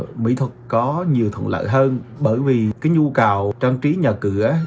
trong khi đó mỹ thuật có nhiều thuận lợi hơn bởi vì nhu cầu trang trí nhà cửa